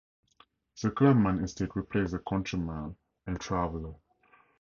The Clubman Estate replaced the Countryman and Traveller.